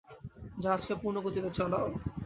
জাহাজকে পূর্ণ গতিতে চালাও!